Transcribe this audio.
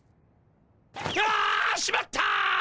あ！しまった！